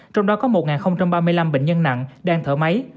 trong đó có một ba mươi năm bệnh nhân nặng đang thở máy